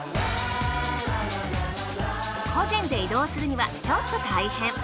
個人で移動するにはちょっと大変。